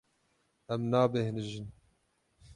Em nabêhnijin.